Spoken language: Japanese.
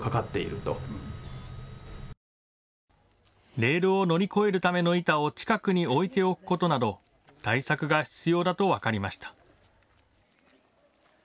レールを乗り越えるための板を近くに置いておくことなど対策が必要だと分かりました。